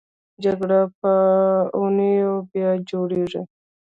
جګر په اونیو بیا جوړېږي.